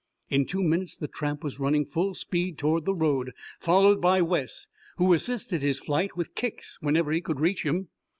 In two minutes the tramp was running full speed toward the road, followed by Wes, who assisted his flight with kicks whenever he could reach him.